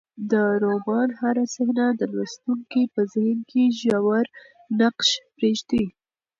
د رومان هره صحنه د لوستونکي په ذهن کې ژور نقش پرېږدي.